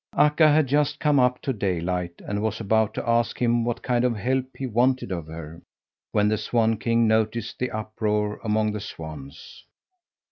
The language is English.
Akka had just come up to Daylight and was about to ask him what kind of help he wanted of her, when the swan king noticed the uproar among the swans.